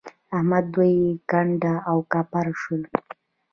احمد دوی کنډ او کپر شول.